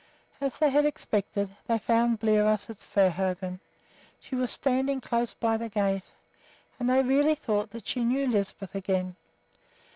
As they had expected, they found Bliros at Svehaugen; she was standing close by the gate. And they really thought that she knew Lisbeth again.